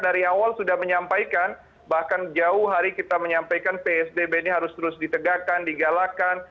dari awal sudah menyampaikan bahkan jauh hari kita menyampaikan psbb ini harus terus ditegakkan digalakan